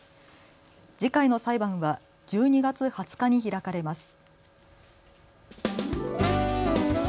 次回の裁判は１２月２０日に開かれます。